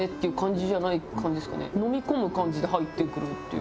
のみ込む感じで入ってくるっていう。